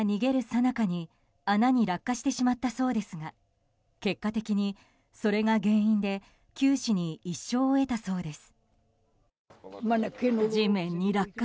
さなかに穴に落下してしまったそうですが結果的にそれが原因で九死に一生を得たそうです。